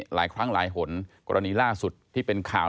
หลายครั้งหลายหนกรณีล่าสุดที่เป็นข่าว